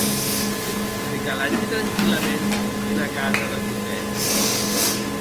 Se calarie tranquillaments ena casa de Cosette?